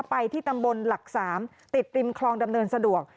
ไปที่ตำบลหลัก๓ติดริมคลองดำเนินสะดวก